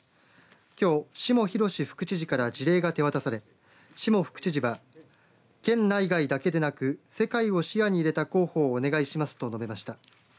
きょう下宏副知事から辞令が手渡され下副知事は県内外だけでなく世界を視野に入れた広報をお願いしますと述べました。